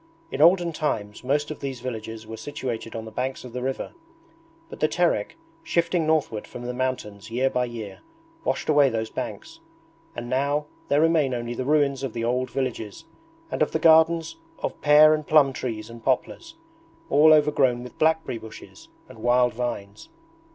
In olden times most of these villages were situated on the banks of the river; but the Terek, shifting northward from the mountains year by year, washed away those banks, and now there remain only the ruins of the old villages and of the gardens of pear and plum trees and poplars, all overgrown with blackberry bushes and wild vines.